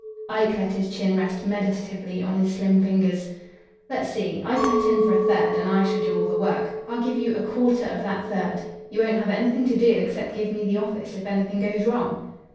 Ike let his chin rest meditatively on his slim fingers. "Let's see. I cut in for a third, and I shall do all the work. I'll give you a quarter of that third. You won't have anything to do, except give me the office if anything goes wrong."